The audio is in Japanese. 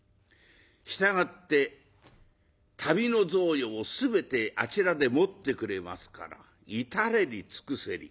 従って旅の雑用を全てあちらでもってくれますから至れり尽くせり。